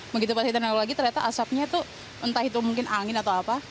begitu pas kita nengok lagi ternyata asapnya itu entah itu mungkin angin atau apa